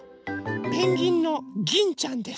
ペンギンのギンちゃんです。